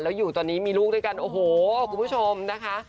แล้วอยู่ตอนนี้มีลูกด้วยกันโอ้โหคุณผู้ชมนะคะ